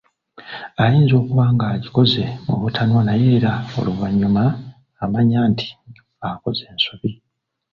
Ayinza okuba ng'agikoze mu butanwa naye era oluvannyuma amanya nti akoze ensobi!